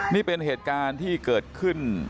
นี่เป็นเหตุการณ์ที่เกิดขึ้น